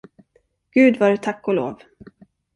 Gud vare tack och lov!